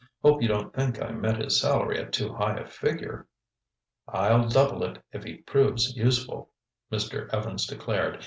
Hope you don't think I set his salary at too high a figure?" "I'll double it if he proves useful," Mr. Evans declared.